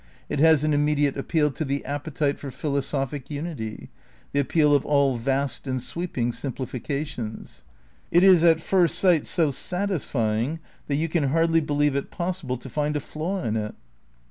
It has an immediate appeal to the appetite for philosophic unity, the appeal of all vast and sweep ing simplifications. It is at first sight so satisfying that you can hardly believe it possible to find a flaw in it.